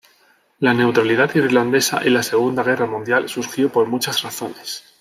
La neutralidad irlandesa en la Segunda Guerra Mundial surgió por muchas razones.